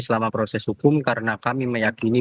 selama proses hukum karena kami meyakini